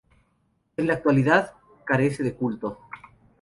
En la actualidad carece de culto.